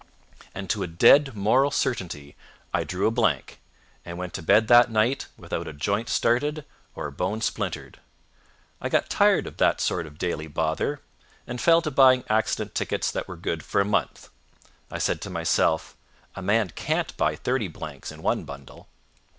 And to a dead moral certainty I drew a blank, and went to bed that night without a joint started or a bone splintered. I got tired of that sort of daily bother, and fell to buying accident tickets that were good for a month. I said to myself, "A man can't buy thirty blanks in one bundle."